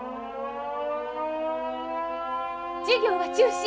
・授業は中止！